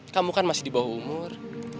kamu kan masih di bawah umur